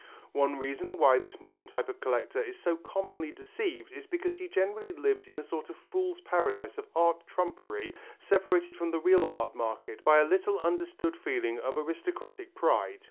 One reason why this modern type of collector is so commonly deceived is because he generally lives in a sort of fool's paradise of art trumpery separated from the real art market by a little understood feeling of aristocratic pride.